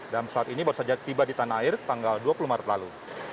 saat ini baru saja tiba di tanah air tanggal dua puluh maret lalu